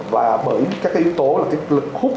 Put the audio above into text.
và bởi các cái yếu tố là cái lực khúc